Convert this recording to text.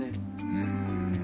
うん。